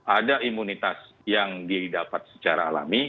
ada imunitas yang didapat secara alami